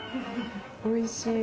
おいしい！